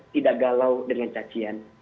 tidak galau dengan cacian